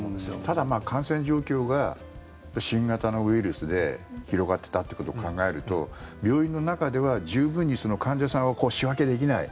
ただ、感染状況が新型のウイルスで広がってたってことを考えると病院の中では十分にその患者さんを仕分けできない。